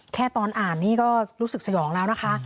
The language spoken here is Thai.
ตอนอ่านนี่ก็รู้สึกสยองแล้วนะคะ